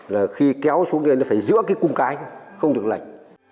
là khi kéo xuống đây nó phải giữa cái cung cái không được lành